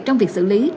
trong việc xử lý